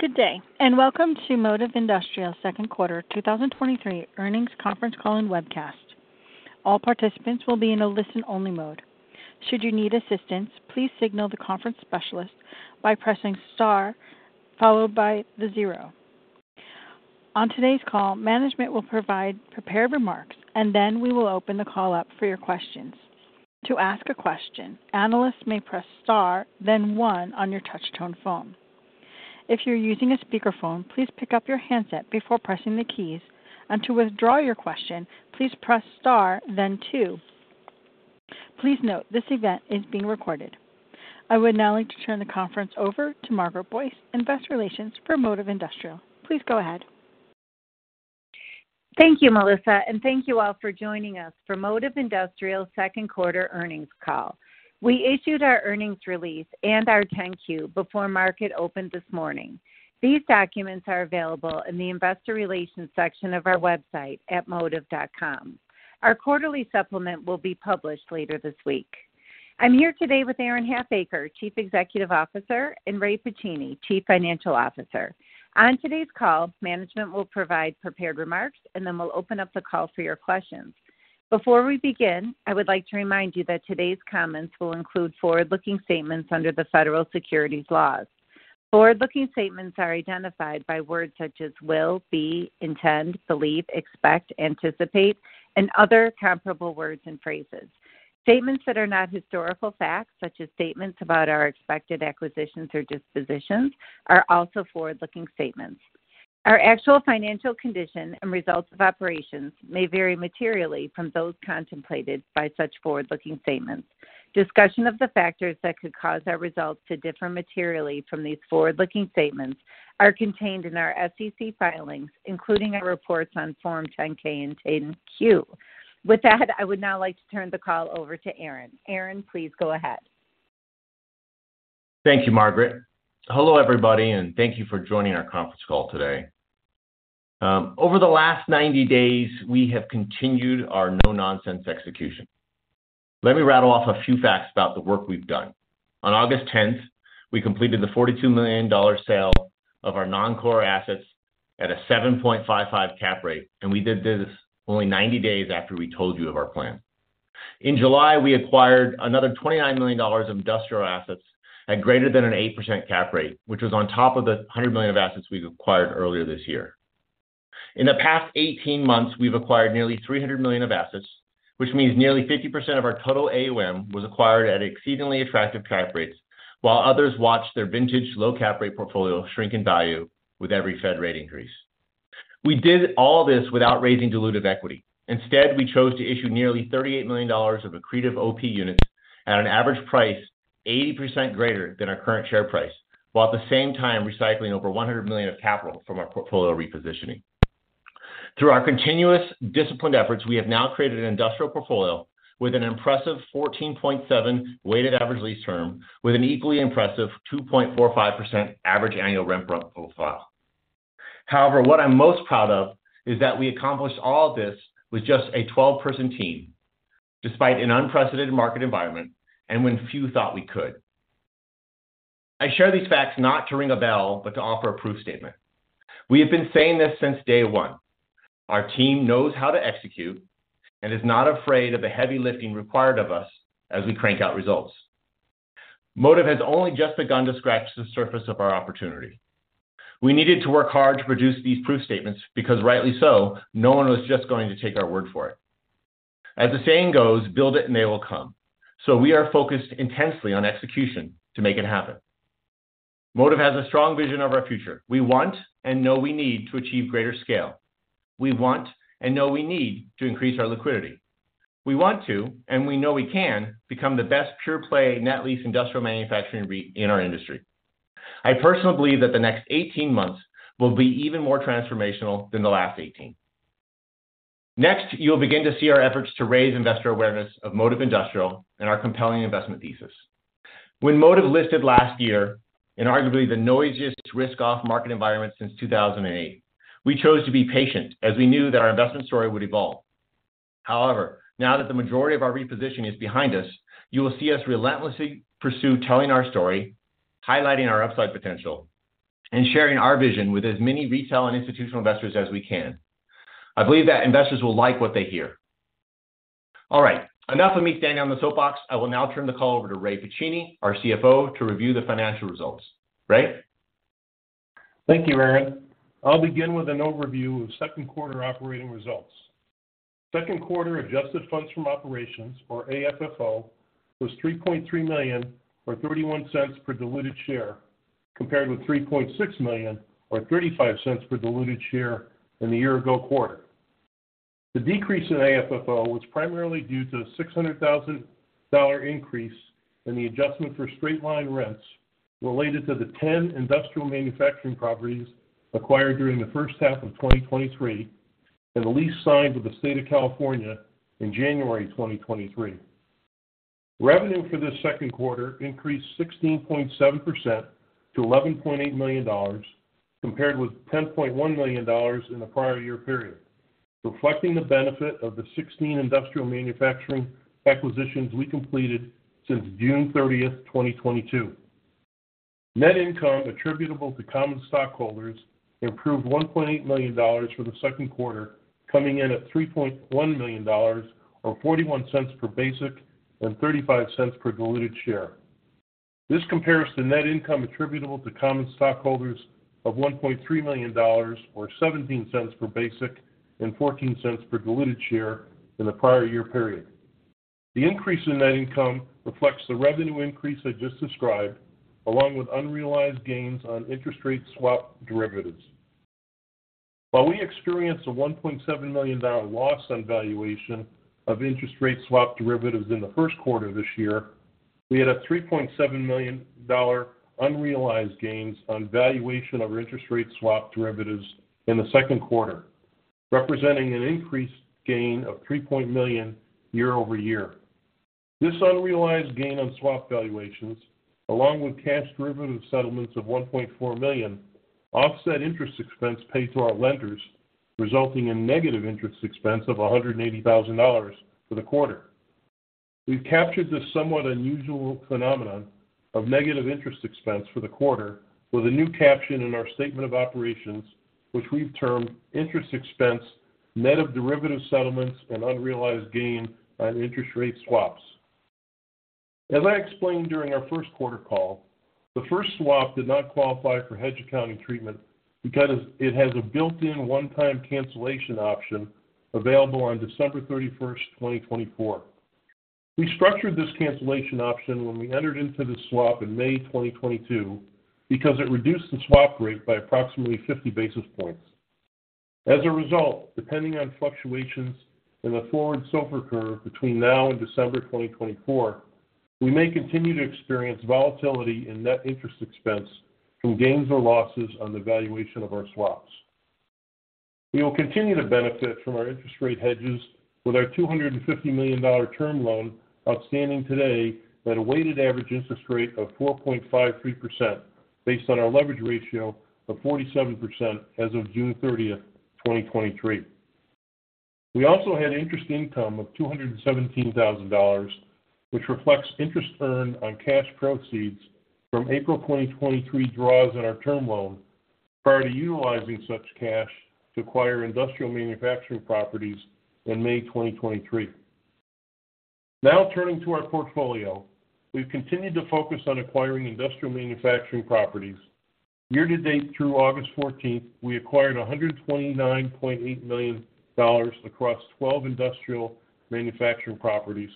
Good day, welcome to Modiv Industrial's second quarter 2023 earnings conference call and webcast. All participants will be in a listen-only mode. Should you need assistance, please signal the conference specialist by pressing star followed by the zero. On today's call, management will provide prepared remarks, and then we will open the call up for your questions. To ask a question, analysts may press star, then one on your touchtone phone. If you're using a speakerphone, please pick up your handset before pressing the keys. To withdraw your question, please press star then two. Please note, this event is being recorded. I would now like to turn the conference over to Margaret Boyce, Investor Relations for Modiv Industrial. Please go ahead. Thank you, Melissa, and thank you all for joining us for Modiv Industrial's second quarter earnings call. We issued our earnings release and our 10-Q before market open this morning. These documents are available in the investor relations section of our website at modiv.com. Our quarterly supplement will be published later this week. I'm here today with Aaron Halfacre, Chief Executive Officer, and Ray Pacini, Chief Financial Officer. On today's call, management will provide prepared remarks, and then we'll open up the call for your questions. Before we begin, I would like to remind you that today's comments will include forward-looking statements under the federal securities laws. Forward-looking statements are identified by words such as will, be, intend, believe, expect, anticipate, and other comparable words and phrases. Statements that are not historical facts, such as statements about our expected acquisitions or dispositions, are also forward-looking statements. Our actual financial condition and results of operations may vary materially from those contemplated by such forward-looking statements. Discussion of the factors that could cause our results to differ materially from these forward-looking statements are contained in our SEC filings, including our reports on Form 10-K and 10-Q. With that, I would now like to turn the call over to Aaron. Aaron, please go ahead. Thank you, Margaret. Hello, everybody, and thank you for joining our conference call today. Over the last 90 days, we have continued our no-nonsense execution. Let me rattle off a few facts about the work we've done. On August 10th, we completed the $42 million sale of our non-core assets at a 7.55% cap rate, and we did this only 90 days after we told you of our plan. In July, we acquired another $29 million of industrial assets at greater than an 8% cap rate, which was on top of the $100 million of assets we've acquired earlier this year. In the past 18 months, we've acquired nearly $300 million of assets, which means nearly 50% of our total AOM was acquired at exceedingly attractive cap rates, while others watched their vintage low cap rate portfolio shrink in value with every Fed rate increase. We did all this without raising dilutive equity. Instead, we chose to issue nearly $38 million of accretive OP units at an average price 80% greater than our current share price, while at the same time recycling over $100 million of capital from our portfolio repositioning. Through our continuous disciplined efforts, we have now created an industrial portfolio with an impressive 14.7 weighted average lease term, with an equally impressive 2.45% average annual rent growth profile. However, what I'm most proud of is that we accomplished all of this with just a 12-person team, despite an unprecedented market environment and when few thought we could. I share these facts not to ring a bell, but to offer a proof statement. We have been saying this since day one. Our team knows how to execute and is not afraid of the heavy lifting required of us as we crank out results. Modiv has only just begun to scratch the surface of our opportunity. We needed to work hard to produce these proof statements because, rightly so, no one was just going to take our word for it. As the saying goes, build it and they will come. We are focused intensely on execution to make it happen. Modiv has a strong vision of our future. We want and know we need to achieve greater scale. We want and know we need to increase our liquidity. We want to, and we know we can, become the best pure-play net lease industrial manufacturing REIT in our industry. I personally believe that the next 18 months will be even more transformational than the last 18. Next, you'll begin to see our efforts to raise investor awareness of Modiv Industrial and our compelling investment thesis. When Modiv listed last year, in arguably the noisiest risk-off market environment since 2008, we chose to be patient, as we knew that our investment story would evolve. However, now that the majority of our repositioning is behind us, you will see us relentlessly pursue telling our story, highlighting our upside potential, and sharing our vision with as many retail and institutional investors as we can. I believe that investors will like what they hear. All right, enough of me standing on the soapbox. I will now turn the call over to Ray Pacini, our CFO, to review the financial results. Ray? Thank you, Aaron. I'll begin with an overview of second quarter operating results. Second quarter adjusted funds from operations, or AFFO, was $3.3 million, or $0.31 per diluted share, compared with $3.6 million or $0.35 per diluted share in the year-ago quarter. The decrease in AFFO was primarily due to a $600,000 increase in the adjustment for straight-line rents related to the 10 industrial manufacturing properties acquired during the first half of 2023, and the lease signed with the state of California in January 2023. Revenue for this second quarter increased 16.7% to $11.8 million, compared with $10.1 million in the prior year period. Reflecting the benefit of the 16 industrial manufacturing acquisitions we completed since June 30th, 2022. Net income attributable to common stockholders improved $1.8 million for the second quarter, coming in at $3.1 million, or $0.41 per basic and $0.35 per diluted share. This compares to net income attributable to common stockholders of $1.3 million, or $0.17 per basic and $0.14 per diluted share in the prior year period. The increase in net income reflects the revenue increase I just described, along with unrealized gains on interest rate swap derivatives. While we experienced a $1.7 million loss on valuation of interest rate swap derivatives in the first quarter this year, we had a $3.7 million unrealized gains on valuation of our interest rate swap derivatives in the second quarter, representing an increased gain of $3 million year-over-year. This unrealized gain on swap valuations, along with cash derivative settlements of $1.4 million, offset interest expense paid to our lenders, resulting in negative interest expense of $180,000 for the quarter. We've captured this somewhat unusual phenomenon of negative interest expense for the quarter with a new caption in our Statement of Operations, which we've termed interest expense, net of derivative settlements, and unrealized gain on interest rate swaps. As I explained during our first quarter call, the first swap did not qualify for hedge accounting treatment because it has a built-in one-time cancellation option available on December 31, 2024. We structured this cancellation option when we entered into the swap in May 2022 because it reduced the swap rate by approximately 50 basis points. As a result, depending on fluctuations in the forward SOFR curve between now and December 2024, we may continue to experience volatility in net interest expense from gains or losses on the valuation of our swaps. We will continue to benefit from our interest rate hedges with our $250 million term loan outstanding today at a weighted average interest rate of 4.53%, based on our leverage ratio of 47% as of June 30, 2023. We also had interest income of $217,000, which reflects interest earned on cash proceeds from April 2023 draws in our term loan, prior to utilizing such cash to acquire industrial manufacturing properties in May 2023. Turning to our portfolio. We've continued to focus on acquiring industrial manufacturing properties. Year to date, through August 14th, we acquired $129.8 million across 12 industrial manufacturing properties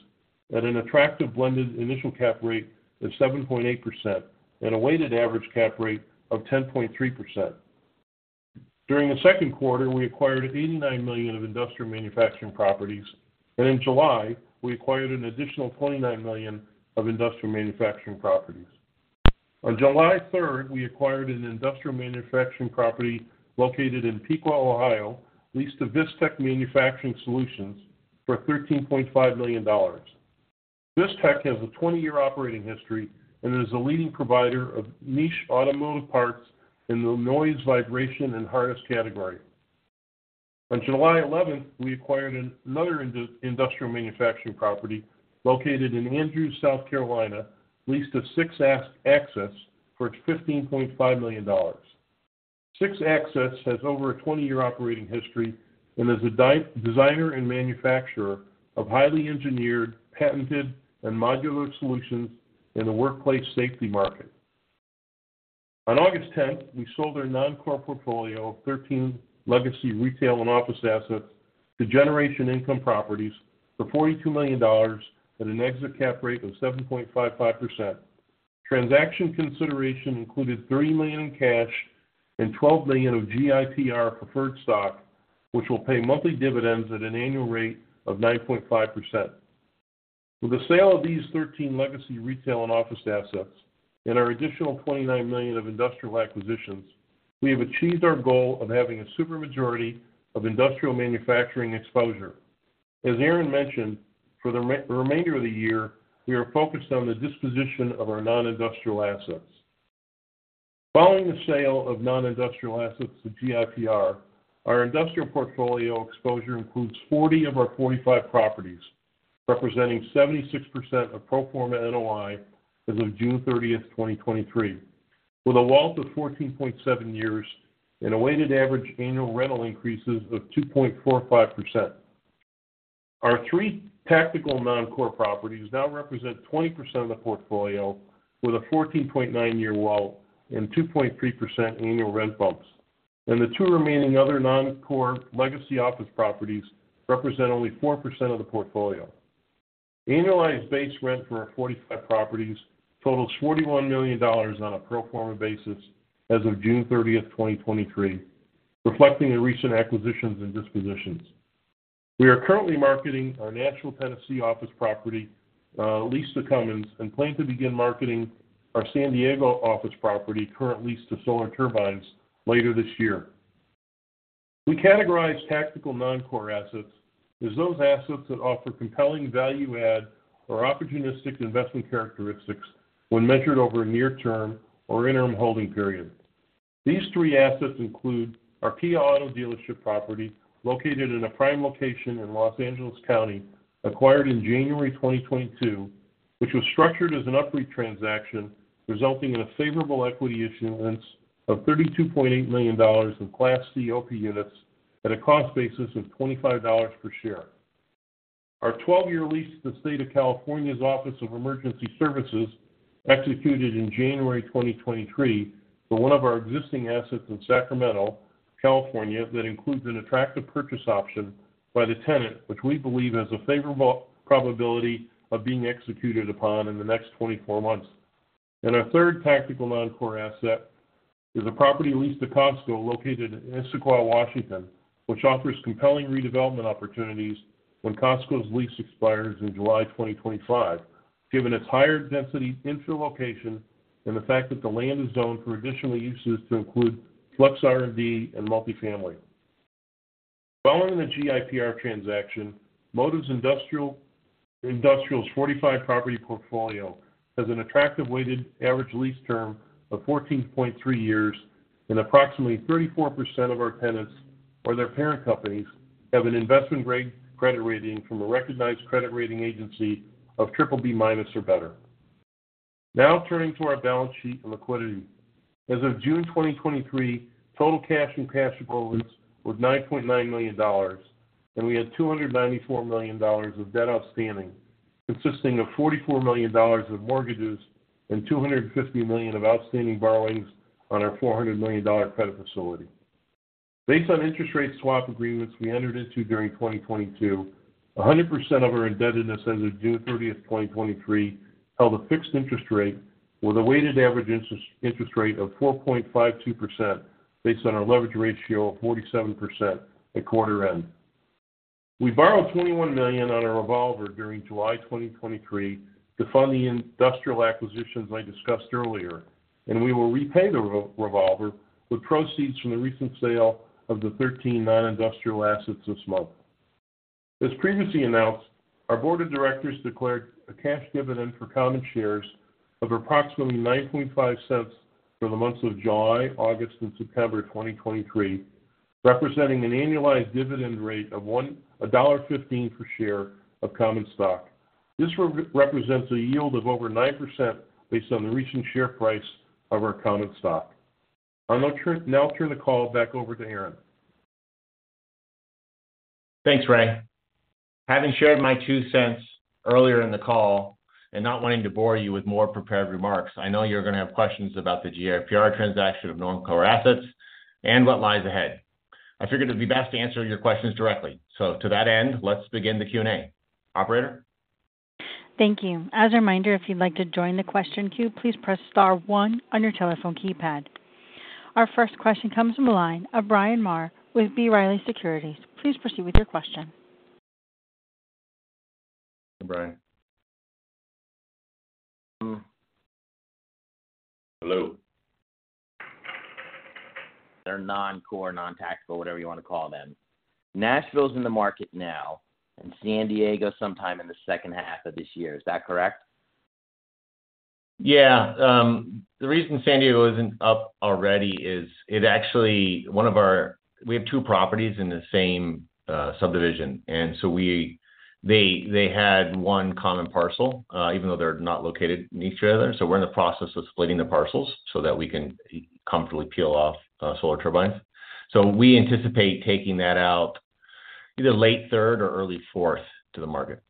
at an attractive blended initial cap rate of 7.8% and a weighted average cap rate of 10.3%. During the second quarter, we acquired $89 million of industrial manufacturing properties. In July, we acquired an additional $29 million of industrial manufacturing properties. On July 3rd, we acquired an industrial manufacturing property located in Piqua, Ohio, leased to VISTECH Manufacturing Solutions for $13.5 million. VisTech has a 20-year operating history and is a leading provider of niche automotive parts in the noise, vibration, and harness category. On July 11, we acquired an industrial manufacturing property located in Andrews, South Carolina, leased to SIXAXIS for $15.5 million. SIXAXIS has over a 20-year operating history and is a designer and manufacturer of highly engineered, patented, and modular solutions in the workplace safety market. On August 10, we sold our non-core portfolio of 13 legacy retail and office assets to Generation Income Properties for $42 million at an exit cap rate of 7.55%. Transaction consideration included $3 million in cash and $12 million of GIPR preferred stock, which will pay monthly dividends at an annual rate of 9.5%. With the sale of these 13 legacy retail and office assets and our additional $29 million of industrial acquisitions, we have achieved our goal of having a super majority of industrial manufacturing exposure. As Aaron mentioned, for the remainder of the year, we are focused on the disposition of our non-industrial assets. Following the sale of non-industrial assets to GIPR, our industrial portfolio exposure includes 40 of our 45 properties, representing 76% of pro forma NOI as of June 30, 2023, with a WALT of 14.7 years and a weighted average annual rental increases of 2.45%. Our 3 tactical non-core properties now represent 20% of the portfolio, with a 14.9 year WALT and 2.3% annual rent bumps. The two remaining other non-core legacy office properties represent only 4% of the portfolio. Annualized base rent for our 45 properties totals $41 million on a pro forma basis as of June 30, 2023, reflecting the recent acquisitions and dispositions. We are currently marketing our Nashville, Tennessee, office property, leased to Cummins, and plan to begin marketing our San Diego office property, current leased to Solar Turbines, later this year. We categorize tactical non-core assets as those assets that offer compelling value add or opportunistic investment characteristics when measured over a near term or interim holding period. These three assets include our Kia Auto dealership property, located in a prime location in Los Angeles County, acquired in January 2022, which was structured as an UPREIT transaction, resulting in a favorable equity issuance of $32.8 million in Class C OP units at a cost basis of $25 per share. Our 12-year lease to the State of California's Office of Emergency Services, executed in January 2023, for one of our existing assets in Sacramento, California, that includes an attractive purchase option by the tenant, which we believe has a favorable probability of being executed upon in the next 24 months. Our third tactical noncore asset is a property leased to Costco, located in Issaquah, Washington, which offers compelling redevelopment opportunities when Costco's lease expires in July 2025, given its higher density infill location and the fact that the land is zoned for additional uses to include flex R&D and multifamily. Following the GIPR transaction, Modiv Industrial's 45 property portfolio has an attractive weighted average lease term of 14.3 years, approximately 34% of our tenants or their parent companies have an investment grade credit rating from a recognized credit rating agency of BBB- or better. Now turning to our balance sheet and liquidity. As of June 2023, total cash and cash equivalents were $9.9 million, we had $294 million of debt outstanding, consisting of $44 million of mortgages and $250 million of outstanding borrowings on our $400 million credit facility. Based on interest rate swap agreements we entered into during 2022, 100% of our indebtedness as of June 30, 2023, held a fixed interest rate with a weighted average interest rate of 4.52%, based on our leverage ratio of 47% at quarter end. We borrowed $21 million on our revolver during July 2023 to fund the industrial acquisitions I discussed earlier, and we will repay the revolver with proceeds from the recent sale of the 13 non-industrial assets this month. As previously announced, our board of directors declared a cash dividend for common shares of approximately $0.095 for the months of July, August, and September 2023, representing an annualized dividend rate of $1.15 per share of common stock. This represents a yield of over 9% based on the recent share price of our common stock. Now I'll turn the call back over to Aaron. Thanks, Ray. Having shared my two cents earlier in the call and not wanting to bore you with more prepared remarks, I know you're going to have questions about the GIPR transaction of non-core assets and what lies ahead. I figured it'd be best to answer your questions directly. To that end, let's begin the Q&A. Operator? Thank you. As a reminder, if you'd like to join the question queue, please press star one on your telephone keypad. Our first question comes from the line of Bryan Maher with B. Riley Securities. Please proceed with your question. Hi, Bryan. Hello. They're non-core, non-tactical, whatever you want to call them. Nashville's in the market now, and San Diego sometime in the second half of this year. Is that correct? Yeah. The reason San Diego isn't up already is it actually we have two properties in the same subdivision, and they, they had one common parcel, even though they're not located near each other. We're in the process of splitting the parcels so that we can comfortably peel off Solar Turbines. We anticipate taking that out either late third or early fourth to the market.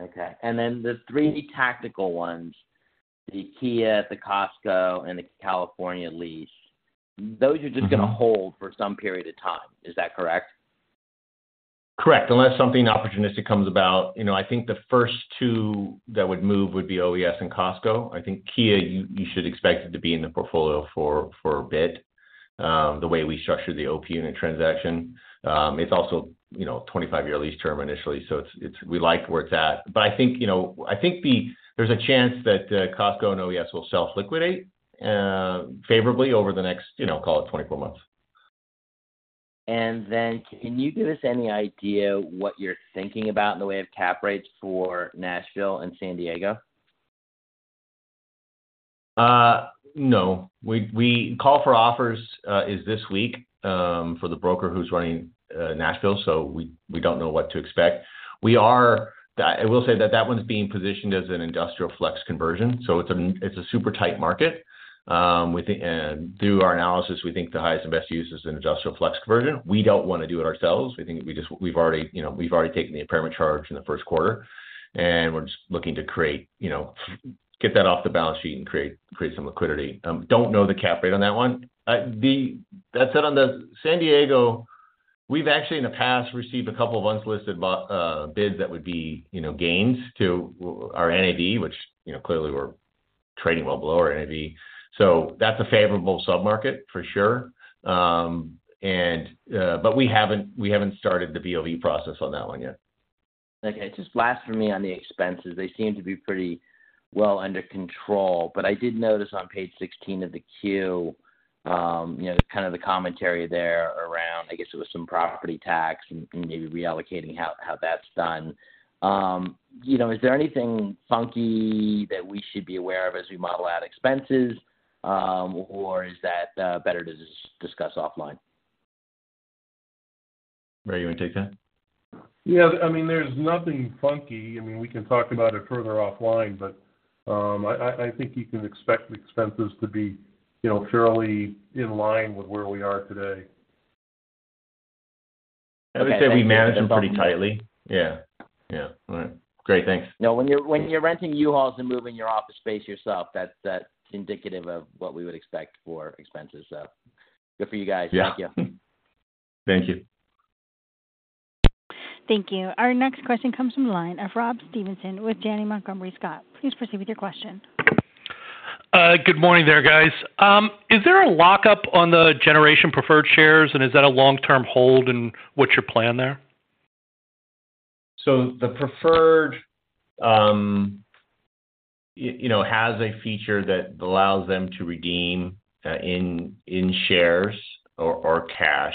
Okay. Then the three tactical ones, the Kia, the Costco, and the California lease, those you're just going to hold for some period of time. Is that correct? Correct. Unless something opportunistic comes about. You know, I think the first two that would move would be OES and Costco. I think Kia, you, you should expect it to be in the portfolio for, for a bit, the way we structured the OP unit transaction. It's also, you know, a 25-year lease term initially, so it's, it's we like where it's at. I think, you know, I think the there's a chance that Costco and OES will self-liquidate favorably over the next, you know, call it 24 months. Can you give us any idea what you're thinking about in the way of cap rates for Nashville and San Diego? No. Call for offers is this week for the broker who's running Nashville. We don't know what to expect. That, I will say that that one's being positioned as an industrial flex conversion. It's a, it's a super tight market. We think, and through our analysis, we think the highest and best use is an industrial flex conversion. We don't want to do it ourselves. We think We've already, you know, we've already taken the impairment charge in the 1st quarter, and we're just looking to create, you know, get that off the balance sheet and create, create some liquidity. Don't know the cap rate on that one. That said, on the San Diego, we've actually, in the past, received a couple of unlisted bids that would be, you know, gains to our NAV, which, you know, clearly, we're trading well below our NAV. That's a favorable submarket for sure. We haven't, we haven't started the BOV process on that one yet. Okay. Just last for me on the expenses. They seem to be pretty well under control, but I did notice on page 16 of the Q, you know, kind of the commentary there around I guess it was some property tax and maybe reallocating how that's done. You know, is there anything funky that we should be aware of as we model out expenses, or is that better to just discuss offline? Ray, you want to take that? Yeah, I mean, there's nothing funky. I mean, we can talk about it further offline, but I, I, I think you can expect expenses to be, you know, fairly in line with where we are today. I would say we manage them pretty tightly. Yeah. Yeah. All right. Great, thanks. No, when you're, when you're renting U-Hauls and moving your office space yourself, that's, that's indicative of what we would expect for expenses, so good for you guys. Yeah. Thank you. Thank you. Our next question comes from the line of Rob Stevenson with Janney Montgomery Scott. Please proceed with your question. Good morning there, guys. Is there a lockup on the Generation preferred shares, and is that a long-term hold, and what's your plan there? The preferred, you know, has a feature that allows them to redeem, in shares or cash.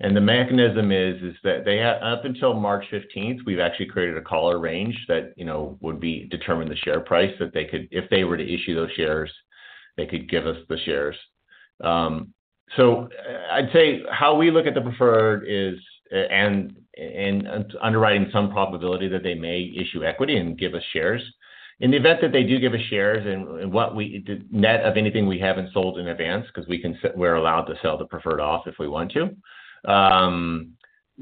The mechanism is, is that they have up until March 15th, we've actually created a collar range that, you know, would be determine the share price, that they could. If they were to issue those shares, they could give us the shares. I'd say how we look at the preferred is, and underwriting some probability that they may issue equity and give us shares. In the event that they do give us shares and, and what we, the net of anything we haven't sold in advance, 'cause we can we're allowed to sell the preferred off if we want to,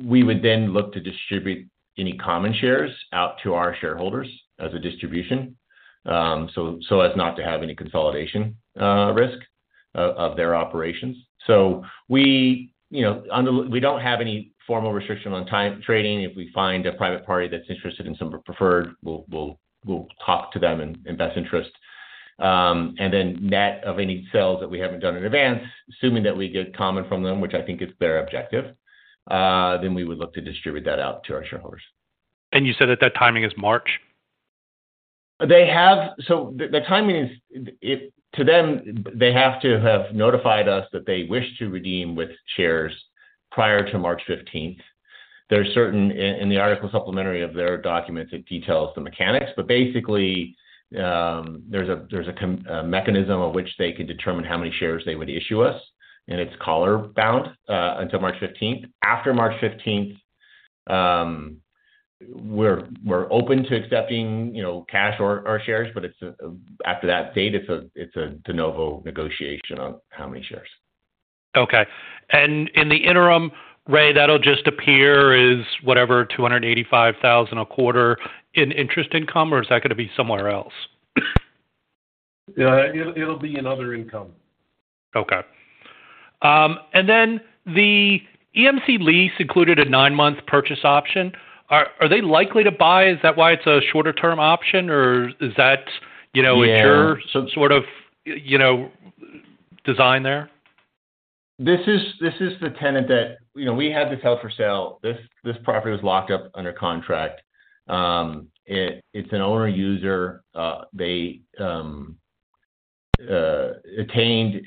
we would then look to distribute any common shares out to our shareholders as a distribution, so, so as not to have any consolidation, risk of their operations. We, you know, we don't have any formal restriction on time, trading. If we find a private party that's interested in some preferred, we'll, we'll, we'll talk to them in, in best interest. Then net of any sales that we haven't done in advance, assuming that we get common from them, which I think is their objective, then we would look to distribute that out to our shareholders. You said that that timing is March? The timing is, to them, they have to have notified us that they wish to redeem with shares prior to March 15th. There are certain, in the supplemental information of their documents, it details the mechanics, but basically, there's a mechanism of which they could determine how many shares they would issue us, and it's collar bound until March 15th. After March 15th, we're open to accepting, you know, cash or shares, but after that date, it's a de novo negotiation on how many shares. Okay. In the interim, Ray, that'll just appear as whatever, $285,000 a quarter in interest income, or is that gonna be somewhere else? Yeah, it, it'll be in other income. Okay. Then the EMC lease included a nine month purchase option. Are they likely to buy? Is that why it's a shorter-term option, or is that, you know? Yeah Your sort of, you know, design there? This is the tenant that, you know, we had this held for sale. This property was locked up under contract. It's an owner user. They attained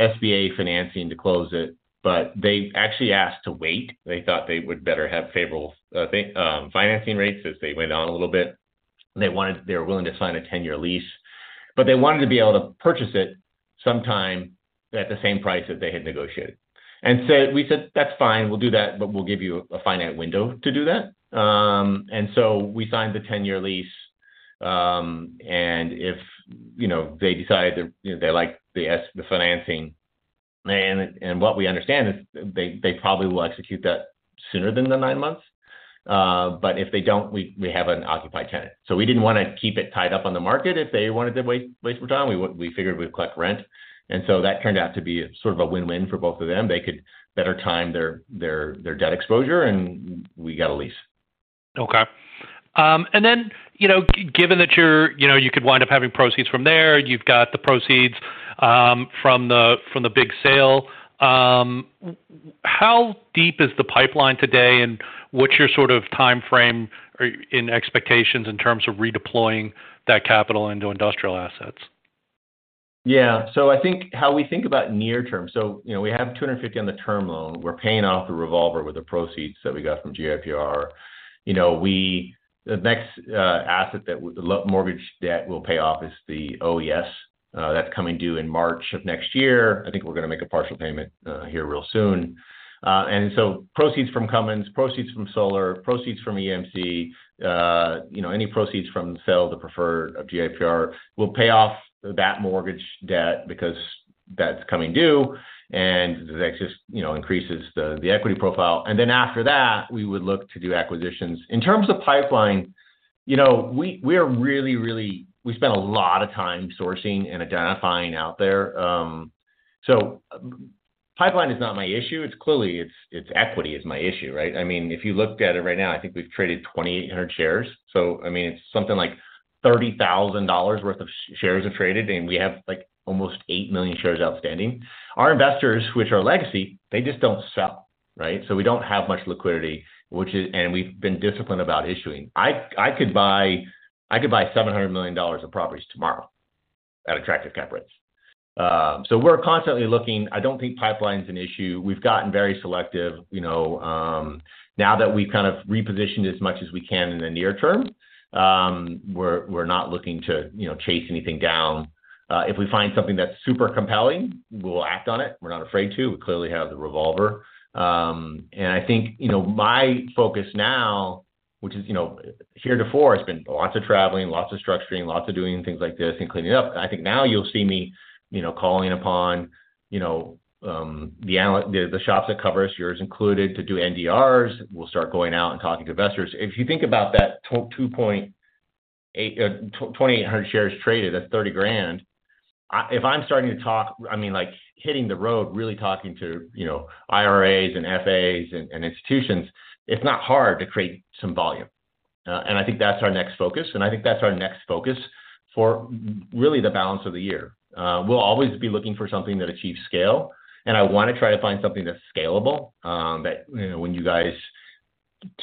SBA financing to close it, but they actually asked to wait. They thought they would better have favorable financing rates as they went on a little bit. They were willing to sign a 10-year lease, but they wanted to be able to purchase it sometime at the same price that they had negotiated. We said: "That's fine. We'll do that, but we'll give you a finite window to do that." We signed the 10-year lease, and if, you know, they decide that, you know, they like the financing, and what we understand is they, they probably will execute that sooner than the nine months, but if they don't, we, we have an occupied tenant. We didn't wanna keep it tied up on the market. If they wanted to wait, wait for time, we would, we figured we'd collect rent, that turned out to be sort of a win-win for both of them. They could better time their, their, their debt exposure, and we got a lease. Okay. You know, given that you're, you know, you could wind up having proceeds from there, you've got the proceeds from the, from the big sale, how deep is the pipeline today, and what's your sort of timeframe or in expectations in terms of redeploying that capital into industrial assets? Yeah. I think how we think about near term, you know, we have $250 on the term loan. We're paying off the revolver with the proceeds that we got from GIPR. You know, we the next asset that the mortgage debt will pay off is the OES. That's coming due in March of next year. I think we're gonna make a partial payment here real soon. Proceeds from Cummins, proceeds from Solar, proceeds from EMC, you know, any proceeds from the sale of the preferred of GIPR, will pay off that mortgage debt because that's coming due, and that just, you know, increases the, the equity profile. Then after that, we would look to do acquisitions. In terms of pipeline, you know, we, we are really, really. We spend a lot of time sourcing and identifying out there. Pipeline is not my issue. It's clearly, it's equity is my issue, right? I mean, if you looked at it right now, I think we've traded 2,800 shares. I mean, it's something like $30,000 worth of shares are traded, and we have, like, almost 8 million shares outstanding. Our investors, which are legacy, they just don't sell, right? We don't have much liquidity, and we've been disciplined about issuing. I could buy $700 million of properties tomorrow at attractive cap rates. We're constantly looking. I don't think pipeline is an issue. We've gotten very selective, you know, now that we've kind of repositioned as much as we can in the near term, we're, we're not looking to, you know, chase anything down. If we find something that's super compelling, we'll act on it. We're not afraid to. We clearly have the revolver. I think, you know, my focus now, which is, you know, heretofore, has been lots of traveling, lots of structuring, lots of doing things like this and cleaning it up. I think now you'll see me, you know, calling upon, you know, the shops that cover us, yours included, to do NDRs. We'll start going out and talking to investors. If you think about that 2.8, 2,800 shares traded at $30,000, I-- if I'm starting to talk, I mean, like, hitting the road, really talking to, you know, IRAs and FAs and, and institutions, it's not hard to create some volume. And I think that's our next focus, and I think that's our next focus for really the balance of the year. We'll always be looking for something that achieves scale, and I want to try to find something that's scalable. That, you know, when you guys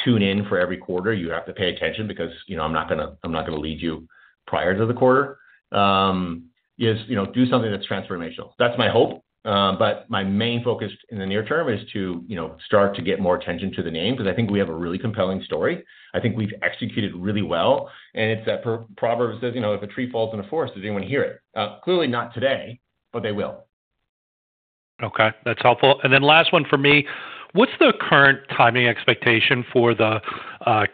tune in for every quarter, you have to pay attention because, you know, I'm not gonna, I'm not gonna lead you prior to the quarter. Is, you know, do something that's transformational. That's my hope. My main focus in the near term is to, you know, start to get more attention to the name, because I think we have a really compelling story. I think we've executed really well. It's that proverb says, you know, "If a tree falls in a forest, does anyone hear it?" Clearly not today, but they will. Okay, that's helpful. Then last one for me: What's the current timing expectation for the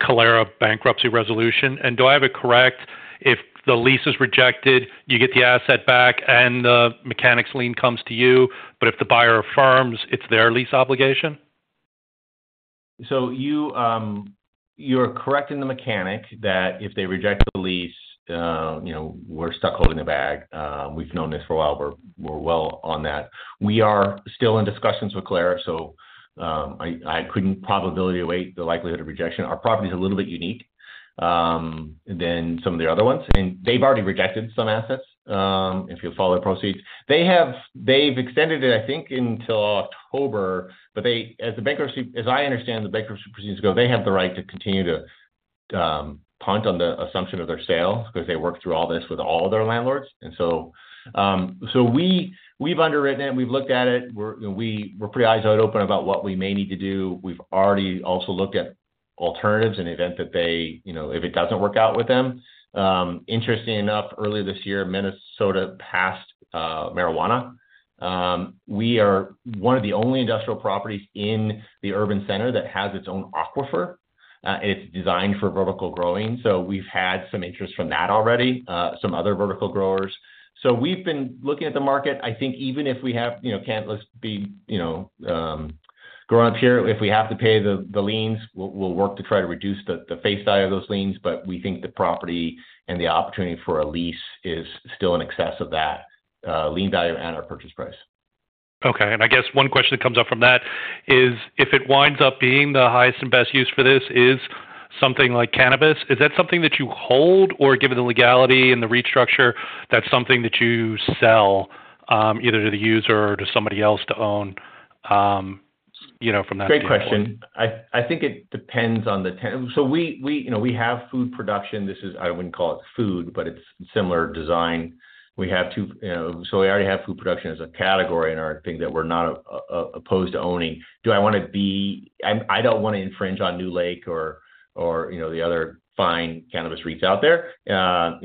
Kalera bankruptcy resolution? Do I have it correct, if the lease is rejected, you get the asset back, and the mechanic's lien comes to you, but if the buyer affirms, it's their lease obligation? You, you're correct in the mechanic that if they reject the lease, you know, we're stuck holding the bag. We've known this for a while. We're, we're well on that. We are still in discussions with Kalera, I, I couldn't probability await the likelihood of rejection. Our property is a little bit unique than some of the other ones. I mean, they've already rejected some assets, if you'll follow the proceeds. They've extended it, I think, until October, as the bankruptcy, as I understand the bankruptcy proceedings go, they have the right to continue to punt on the assumption of their sales because they work through all this with all of their landlords. We've underwritten it, and we've looked at it. We're, you know, we're pretty eyes wide open about what we may need to do. We've already also looked at alternatives in the event that they, you know, if it doesn't work out with them. Interestingly enough, earlier this year, Minnesota passed marijuana. We are one of the only industrial properties in the urban center that has its own aquifer, and it's designed for vertical growing, so we've had some interest from that already, some other vertical growers. We've been looking at the market. I think even if we have, you know, can't just be, you know, grow up here. If we have to pay the, the liens, we'll, we'll work to try to reduce the, the face value of those liens, but we think the property and the opportunity for a lease is still in excess of that lien value and our purchase price. Okay, and I guess one question that comes up from that is, if it winds up being the highest and best use for this is something like cannabis, is that something that you hold, or given the legality and the restructure, that's something that you sell, either to the user or to somebody else to own, you know, from that perspective? Great question. I, I think it depends on the We, we, you know, we have food production. This is I wouldn't call it food, but it's similar design. We have two, so we already have food production as a category in our thing that we're not opposed to owning. Do I wanna I, I don't wanna infringe on NewLake or, or, you know, the other fine cannabis REITs out there. You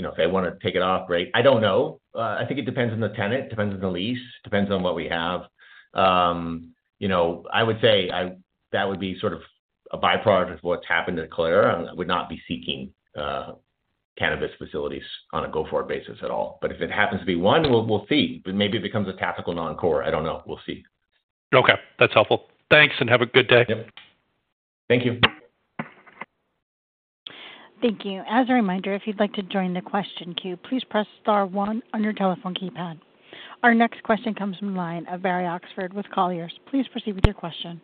know, if they wanna take it off, great. I don't know. I think it depends on the tenant, depends on the lease, depends on what we have. You know, I would say, that would be sort of a by-product of what's happened to Kalera. I would not be seeking cannabis facilities on a go-forward basis at all. If it happens to be one, we'll, we'll see. Maybe it becomes a tactical non-core. I don't know. We'll see. Okay, that's helpful. Thanks, and have a good day. Yep. Thank you. Thank you. As a reminder, if you'd like to join the question queue, please press star one on your telephone keypad. Our next question comes from the line of Barry Oxford with Colliers. Please proceed with your question.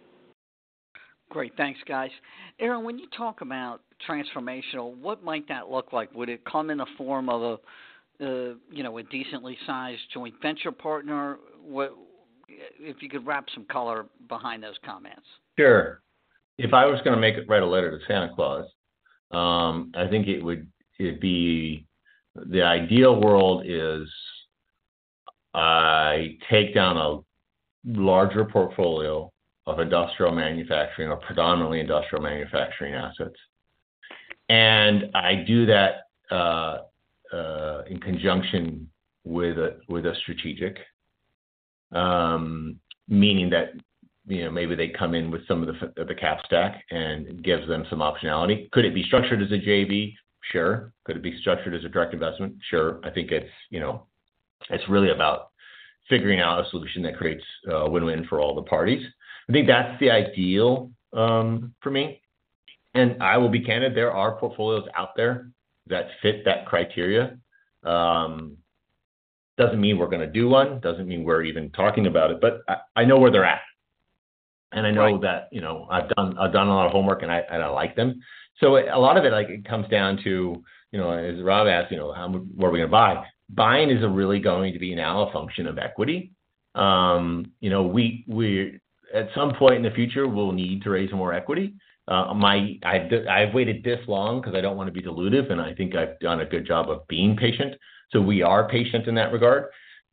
Great. Thanks, guys. Aaron, when you talk about transformational, what might that look like? Would it come in the form of a, a, you know, a decently sized joint venture partner? If you could wrap some color behind those comments. Sure. If I was gonna make it, write a letter to Santa Claus, I think it would, it'd be, the ideal world is I take down a larger portfolio of industrial manufacturing or predominantly industrial manufacturing assets. I do that in conjunction with a, with a strategic, meaning that, you know, maybe they come in with some of the of the cap stack and gives them some optionality. Could it be structured as a JV? Sure. Could it be structured as a direct investment? Sure. I think it's, you know, it's really about figuring out a solution that creates a win-win for all the parties. I think that's the ideal for me, and I will be candid, there are portfolios out there that fit that criteria. Doesn't mean we're gonna do one, doesn't mean we're even talking about it, but I, I know where they're at. Right. I know that, you know, I've done, I've done a lot of homework and I, and I like them. A lot of it, like, it comes down to, you know, as Rob asked, you know, how, what are we gonna buy? Buying is really going to be now a function of equity. You know, we, we, at some point in the future, we'll need to raise more equity. I've, I've waited this long because I don't want to be dilutive, and I think I've done a good job of being patient. We are patient in that regard.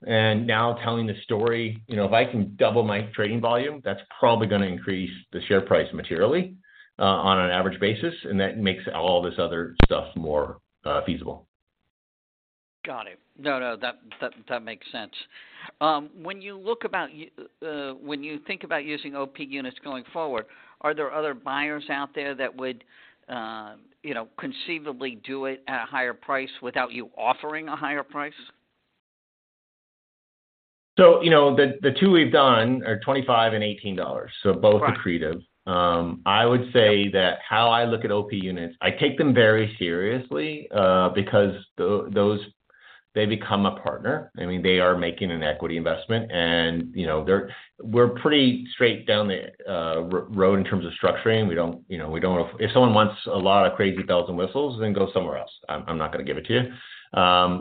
Now telling the story, you know, if I can double my trading volume, that's probably gonna increase the share price materially, on an average basis, and that makes all this other stuff more feasible. Got it. No, no, that, that, that makes sense. When you look about when you think about using OP units going forward, are there other buyers out there that would, you know, conceivably do it at a higher price without you offering a higher price? You know, the, the two we've done are $25 and $18, so both accretive. Right. I would say that how I look at OP units, I take them very seriously, because those, they become a partner. I mean, they are making an equity investment, and, you know, they're. We're pretty straight down the road in terms of structuring. We don't, you know, we don't want. If someone wants a lot of crazy bells and whistles, then go somewhere else. I'm not gonna give it to you.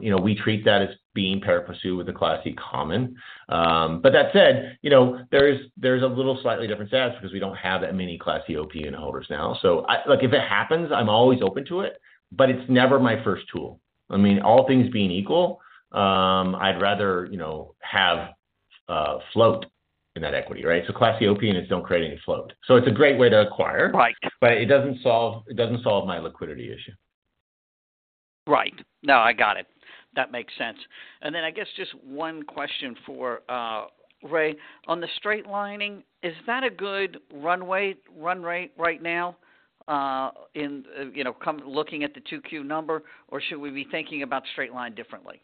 You know, we treat that as being pari passu with the Class C common. That said, you know, there is, there's a little slightly different status because we don't have that many Class C OP unit holders now. Look, if it happens, I'm always open to it, but it's never my first tool. I mean, all things being equal, I'd rather, you know, have, float in that equity, right? Class C OP units don't create any float. It's a great way to acquire- Right. It doesn't solve, it doesn't solve my liquidity issue. Right. No, I got it. That makes sense. Then I guess just one question for Ray. On the straight lining, is that a good runway, run rate right now, in, you know, looking at the 2Q number, or should we be thinking about straight line differently?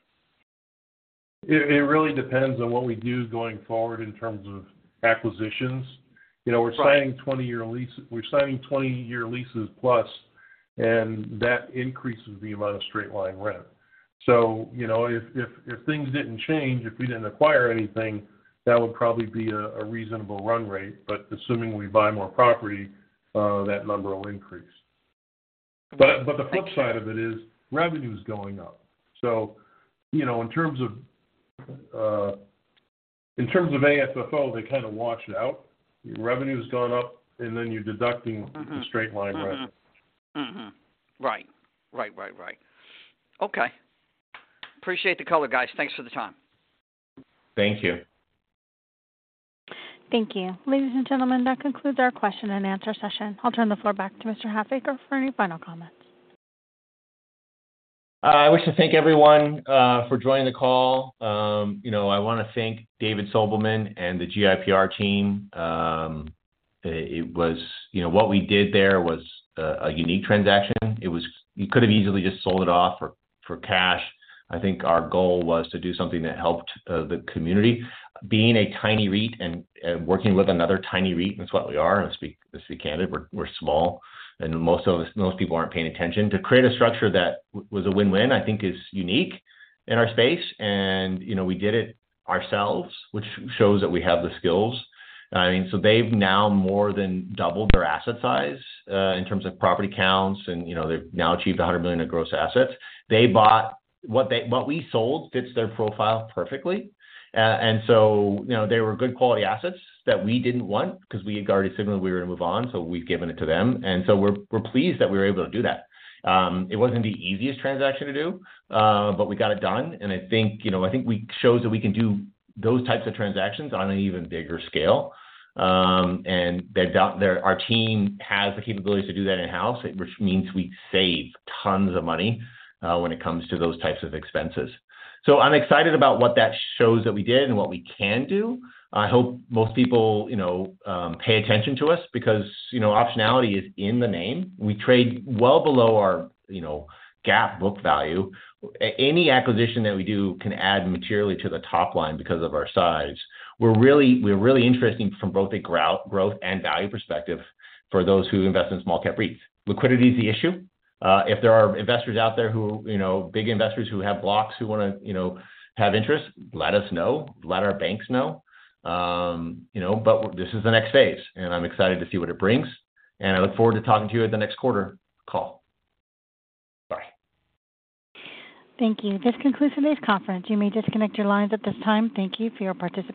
It, it really depends on what we do going forward in terms of acquisitions. Right. You know, we're signing 20-year leases plus, that increases the amount of straight line rent. You know, if, if, if things didn't change, if we didn't acquire anything, that would probably be a, a reasonable run rate, assuming we buy more property, that number will increase. Thank you. The flip side of it is revenue is going up. You know, in terms of, in terms of AFFO, they kind of wash it out. Revenue's gone up, and then you're deducting- Mm-hmm The straight-line rent. Mm-hmm. Mm-hmm. Right. Right, right, right. Okay. Appreciate the color, guys. Thanks for the time. Thank you. Thank you. Ladies and gentlemen, that concludes our question and answer session. I'll turn the floor back to Mr. Halfacre for any final comments. I wish to thank everyone for joining the call. You know, I wanna thank David Sobelman and the GIPR team. You know, what we did there was a unique transaction. You could have easily just sold it off for cash. I think our goal was to do something that helped the community. Being a tiny REIT and working with another tiny REIT, that's what we are, let's be, let's be candid, we're small, and most of us, most people aren't paying attention. To create a structure that was a win-win, I think is unique in our space, and, you know, we did it ourselves, which shows that we have the skills. I mean, they've now more than doubled their asset size in terms of property counts, and, you know, they've now achieved $100 million in gross assets. They bought. What we sold fits their profile perfectly. You know, they were good quality assets that we didn't want because we had already signaled we were going to move on, so we've given it to them. We're, we're pleased that we were able to do that. It wasn't the easiest transaction to do, but we got it done. I think, you know, I think we showed that we can do those types of transactions on an even bigger scale. That our team has the capabilities to do that in-house, which means we save tons of money when it comes to those types of expenses. I'm excited about what that shows that we did and what we can do. I hope most people, you know, pay attention to us because, you know, optionality is in the name. We trade well below our, you know, GAAP book value. Any acquisition that we do can add materially to the top line because of our size. We're really, we're really interesting from both a growth and value perspective for those who invest in small cap REITs. Liquidity is the issue. If there are investors out there who, you know, big investors who wanna, you know, have interest, let us know, let our banks know. You know, this is the next phase, and I'm excited to see what it brings, and I look forward to talking to you at the next quarter call. Bye. Thank you. This concludes today's conference. You may disconnect your lines at this time. Thank you for your participation.